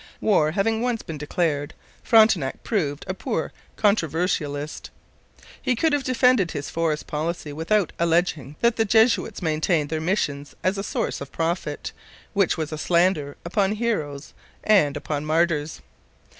War having once been declared, Frontenac proved a poor controversialist. He could have defended his forest policy without alleging that the Jesuits maintained their missions as a source of profit, which was a slander upon heroes and upon martyrs.